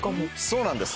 そうなんです。